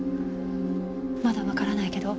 まだわからないけど。